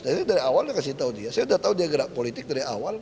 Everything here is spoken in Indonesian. jadi dari awal saya kasih tau dia saya udah tau dia gerak politik dari awal kok